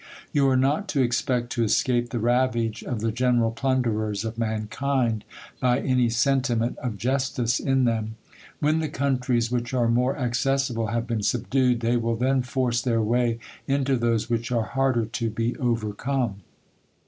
You are not to expect to escape the ravage of the general plunderers of mankind, by any sentiment of justice in them. When xhe countries which are more accessible have been subdued, they will then force their way into those which are harder to be overcome.